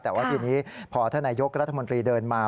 แต่ว่าทีนี้พอท่านนายกรัฐมนตรีเดินมา